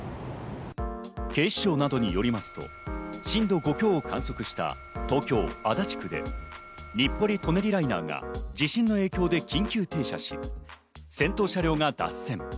警視庁などによりますと、震度５強を観測した東京・足立区で日暮里・舎人ライナーが地震の影響で緊急停車し、先頭車両が脱線。